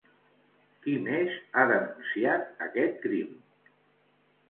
Qui més ha denunciat aquest crim?